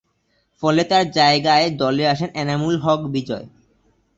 ফলে তার জায়গায় দলে আসেন এনামুল হক বিজয়।